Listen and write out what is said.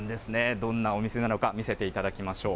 どんなお店なのか、見せていただきましょう。